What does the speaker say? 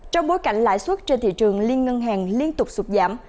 trong bối cảnh lãi suất trên thị trường liên ngân hàng liên tục sụt giảm